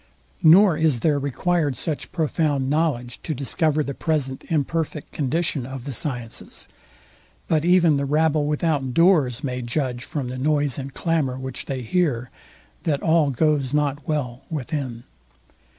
Nor is there required such profound knowledge to discover the present imperfect condition of the sciences, but even the rabble without doors may, judge from the noise and clamour, which they hear, that all goes not well within.